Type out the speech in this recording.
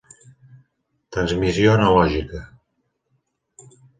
Transmissió Analògica: